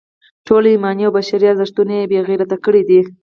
ټول ایماني او بشري ارزښتونه یې بې غیرته کړي دي.